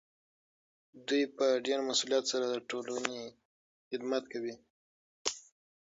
دوی په ډیر مسؤلیت سره د ټولنې خدمت کوي.